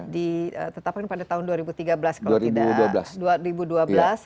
ditetapkan pada tahun dua ribu tiga belas kalau tidak